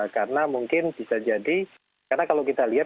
karena mungkin bisa jadi karena kalau kita lihat